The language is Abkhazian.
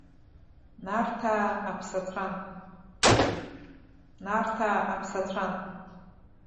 Нарҭаа аԥсацәан.